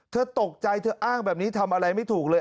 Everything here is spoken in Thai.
เธอตกใจเธออ้างแบบนี้ทำอะไรไม่ถูกเลย